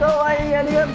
ありがとう。